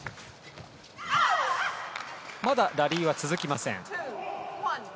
まだラリーは続きません。